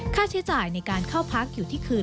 ค่าใช้จ่ายในการเข้าพักอยู่ที่คืน